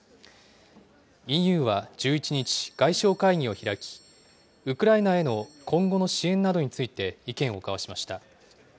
ＥＵは１１日、外相会議を開き、ウクライナへの今後の支援などについて意見を交わしました。